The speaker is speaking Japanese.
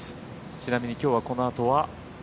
ちなみにきょうはこのあとは？